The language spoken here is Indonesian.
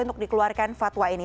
untuk dikeluarkan fatwa ini